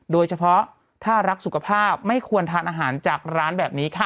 โดยเฉพาะถ้ารักสุขภาพไม่ควรทานอาหารจากร้านแบบนี้ค่ะ